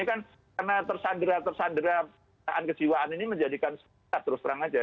ini kan karena tersandera tersanderaan kejiwaan ini menjadikan susah terus terang aja